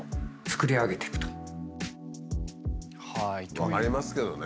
分かりますけどね。